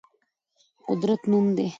قدرت نوم دی.